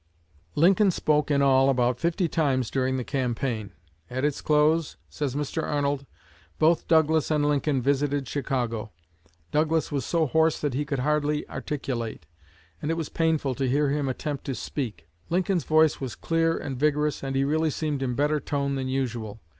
Lincoln spoke in all about fifty times during the campaign. At its close, says Mr. Arnold, "both Douglas and Lincoln visited Chicago. Douglas was so hoarse that he could hardly articulate, and it was painful to hear him attempt to speak. Lincoln's voice was clear and vigorous, and he really seemed in better tone than usual.